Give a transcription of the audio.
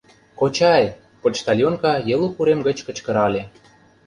— Кочай! — почтальонка Елук урем гыч кычкырале.